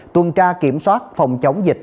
tuần tra kiểm soát phòng chống dịch